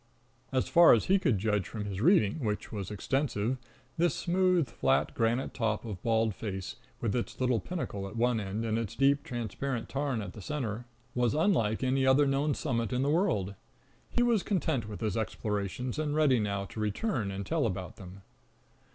As far as he could judge from his reading, which was extensive, this smooth flat granite top of Bald Face, with its little pinnacle at one end and its deep transparent tarn in the center, was unlike any other known summit in the world. He was contented with his explorations, and ready now to return and tell about them.